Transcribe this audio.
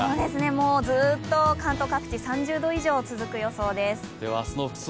もうずっと関東各地３０度以上が続く予想です。